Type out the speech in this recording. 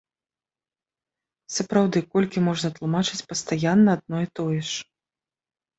Сапраўды, колькі можна тлумачыць пастаянна адно і тое ж?